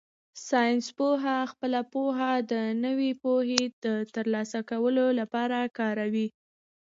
ساینسپوه خپله پوهه د نوې پوهې د ترلاسه کولو لپاره کاروي.